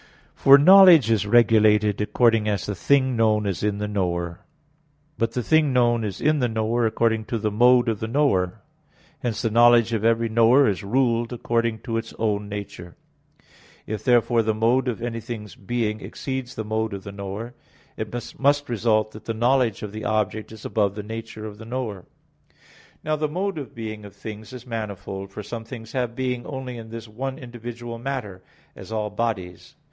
For knowledge is regulated according as the thing known is in the knower. But the thing known is in the knower according to the mode of the knower. Hence the knowledge of every knower is ruled according to its own nature. If therefore the mode of anything's being exceeds the mode of the knower, it must result that the knowledge of the object is above the nature of the knower. Now the mode of being of things is manifold. For some things have being only in this one individual matter; as all bodies.